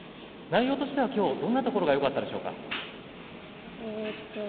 内容としてはきょうどんなところがよかったでしょうか？